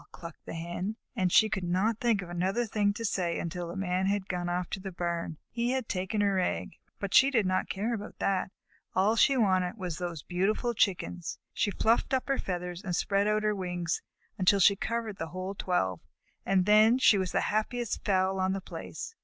clucked the Hen. And she could not think of another thing to say until the Man had gone off to the barn. He had taken her egg, but she did not care about that. All she wanted was those beautiful Chickens. She fluffed up her feathers and spread out her wings until she covered the whole twelve, and then she was the happiest fowl on the place.